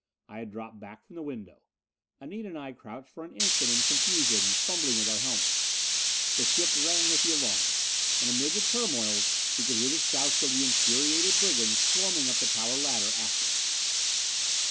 I had dropped back from the window. Anita and I crouched for an instant in confusion, fumbling with our helmets. The ship rang with the alarm. And amid the turmoil we could hear the shouts of the infuriated brigands swarming up the tower ladder after us!